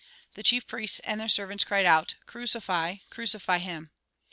The chief priests and their servants cried out :" Crucify, crucify him